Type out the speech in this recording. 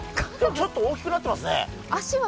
ちょっと大きくなってますね。